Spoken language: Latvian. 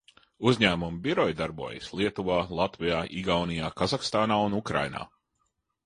Uzņēmuma biroji darbojas Lietuvā, Latvijā, Igaunijā, Kazahstānā un Ukrainā.